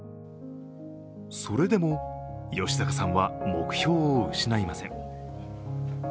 それでも、芳坂さんは目標を失いません。